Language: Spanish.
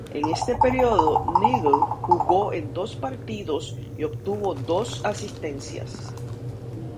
En este periodo, Neagle jugó en dos partidos y obtuvo dos asistencias.